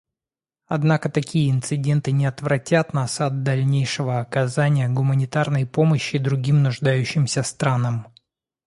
Однако такие инциденты не отвратят нас от дальнейшего оказания гуманитарной помощи другим нуждающимся странам.